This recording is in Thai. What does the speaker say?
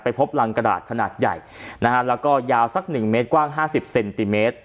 พบรังกระดาษขนาดใหญ่นะฮะแล้วก็ยาวสักหนึ่งเมตรกว้าง๕๐เซนติเมตร